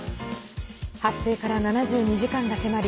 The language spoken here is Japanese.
発生から７２時間が迫り